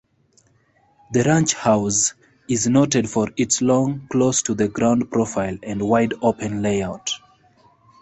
The ranch house is noted for its long, close-to-the-ground profile, and wide open layout.